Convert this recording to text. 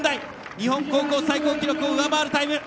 日本高校最高記録を上回るタイム。